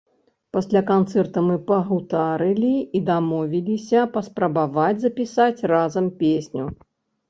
Пасля канцэрта мы пагутарылі і дамовіліся паспрабаваць запісаць разам песню.